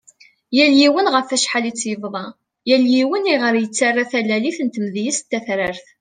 Yal yiwen ɣef acḥal i tt-yebḍa, yal yiwen i ɣer yettara talalit n tmedyazt tatrart .